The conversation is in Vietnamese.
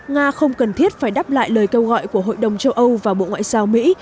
nga không cần thiết phải đáp lại lời kêu gọi của hội đồng châu âu và bộ ngoại giao mỹ